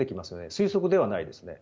推測ではないですね。